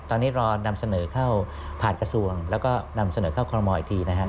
ตอนนี้รอนำเสนอเข้าผ่านกระทรวงแล้วก็นำเสนอเข้าคอรมอลอีกทีนะครับ